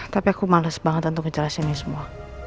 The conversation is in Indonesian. tapi aku mandas banget untuk ngejelasin ini semua